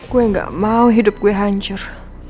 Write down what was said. gue gak mau hidup gue hancur